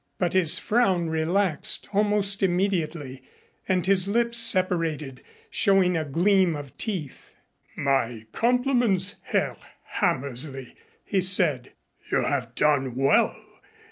But his frown relaxed almost immediately and his lips separated, showing a gleam of teeth. "My compliments, Herr Hammersley," he said. "You have done well.